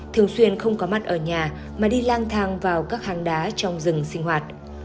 thường xuyên không có mặt ở nhà mà đi lang thang vào các hang đá trong rừng sinh hoạt